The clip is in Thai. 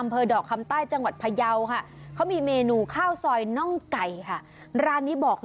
เพราะอ้อยมันต้องหวานิ